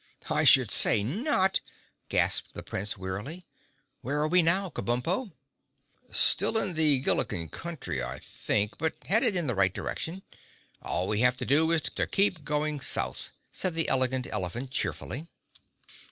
"I should say not," gasped the Prince wearily. "Where are we now, Kabumpo?" "Still in the Gilliken country, I think, but headed in the right direction. All we have to do is to keep going South," said the Elegant Elephant cheerfully.